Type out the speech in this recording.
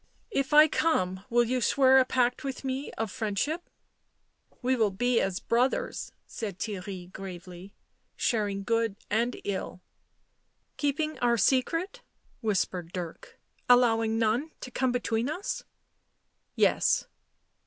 "If I come, will you swear a pact with me of friendship ?"" We will be as brothers," said Theirry gravely. " Sharing good and ill." " Keeping our secret?" whispered Dirk — "allowing none to come between us?" "Yea."